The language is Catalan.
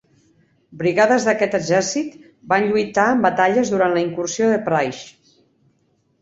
Brigades d'aquest exercit van lluitar en batalles durant la incursió de Price.